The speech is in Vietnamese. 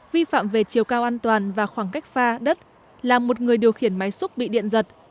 vi phạm về chiều cao an toàn và khoảng cách pha đất làm một người điều khiển máy xúc bị điện giật